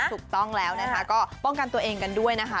ถูกต้องแล้วนะคะก็ป้องกันตัวเองกันด้วยนะคะ